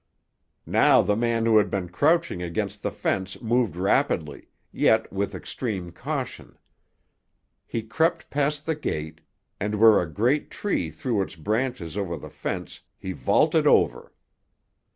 Now the man who had been crouching against the fence moved rapidly, yet with extreme caution. He crept past the gate, and where a great tree threw its branches over the fence he vaulted over.